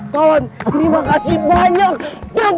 kawan terima kasih banyak